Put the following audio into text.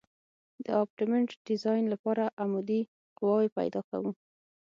د ابټمنټ ډیزاین لپاره عمودي قواوې پیدا کوو